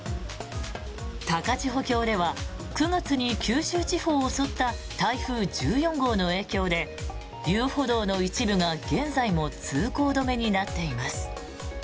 高千穂峡では９月に九州地方を襲った台風１４号の影響で遊歩道の一部が現在も通行止めになっています。